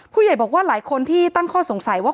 ผู้ใหญ่บอกว่าหลายคนที่ตั้งข้อสงสัยว่า